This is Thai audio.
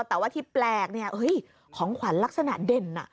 แต่ว่าที่แปลกเนี่ยของขวัญลักษณะเด่น